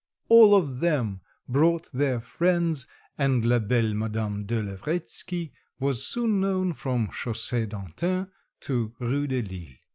All of them brought their friends, and la belle Madame de Lavretsky was soon known from Chausée d'Antin to Rue de Lille.